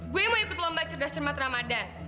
gue mau ikut lombaik cerdas cermat ramadhan